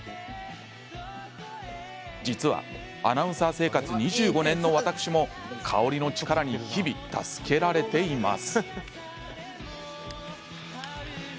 実はアナウンサー生活２５年の私も香りの力に日々助けられています。